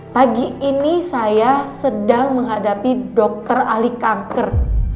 pagi ini saya sedang menghadapi dokter ahli kanker